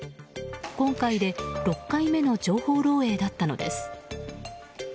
今回で６回目の情報漏洩だったのです。